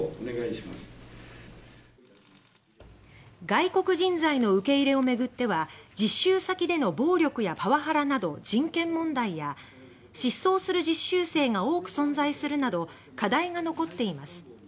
外国人材の受け入れを巡っては実習先での暴力やパワハラなど人権問題や失踪する実習生が多く存在するなど課題が残っています。